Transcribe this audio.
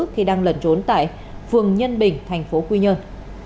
trong lần trốn tại phường nhân bình thành phố quy nhơn